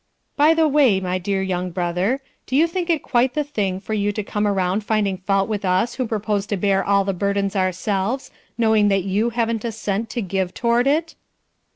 "By the way, my dear young brother, do you think it quite the thing for you to come around finding fault with us who propose to bear all the burdens ourselves, knowing that you haven't a cent to give toward it?"